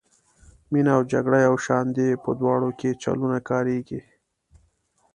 مینه او جګړه یو شان دي په دواړو کې چلونه کاریږي.